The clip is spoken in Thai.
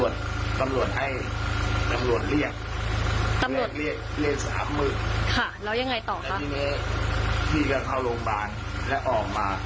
พี่ก็เข้าโรงพยาบาลแล้วออกมา